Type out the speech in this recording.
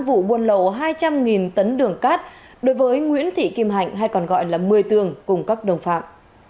vụ buôn lậu hai trăm linh tấn đường cát đối với nguyễn thị kim hạnh hay còn gọi là mười tường cùng các đồng phạm